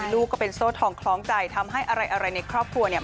ลูกก็เป็นโซ่ทองคล้องใจทำให้อะไรในครอบครัวเนี่ย